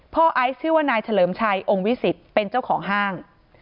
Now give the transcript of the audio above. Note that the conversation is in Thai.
ไอซ์ชื่อว่านายเฉลิมชัยองค์วิสิตเป็นเจ้าของห้าง